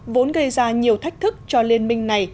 vốn gây ra nhiều thách thức cho liên minh này